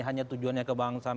hanya tujuannya kebangsaan